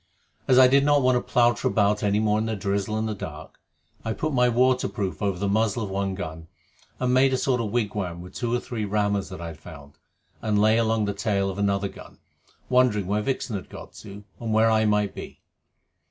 As I did not want to plowter about any more in the drizzle and the dark, I put my waterproof over the muzzle of one gun, and made a sort of wigwam with two or three rammers that I found, and lay along the tail of another gun, wondering where Vixen had got to, and where I might be.